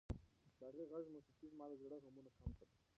د هغې د غږ موسیقۍ زما د زړه غمونه کم کړل.